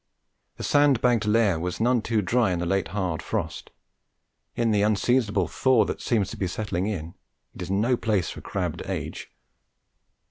The sand bagged lair was none too dry in the late hard frost; in the unseasonable thaw that seems to be setting in, it is no place for crabbed age.